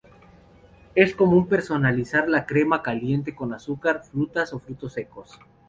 Es común personalizar la crema caliente con azúcar, frutas, o frutos secos.